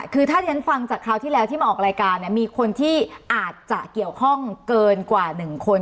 คือถ้าที่ฉันฟังจากคราวที่แล้วที่มาออกรายการเนี่ยมีคนที่อาจจะเกี่ยวข้องเกินกว่า๑คน